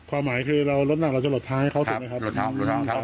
ความหมายคือเรารถหนักเราจะหลบท้ายให้เขาถูกไหมครับ